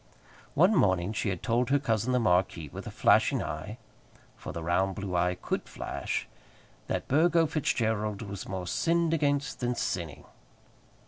One morning she had told her cousin the marquis, with a flashing eye, for the round blue eye could flash, that Burgo Fitzgerald was more sinned against than sinning.